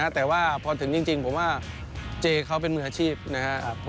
แต่ว่าพอถึงจริงผมว่าเจเขาเป็นมืออาชีพนะครับ